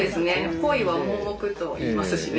恋は盲目といいますしね。